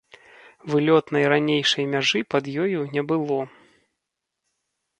Вылётнай ранейшай мяжы пад ёю не было.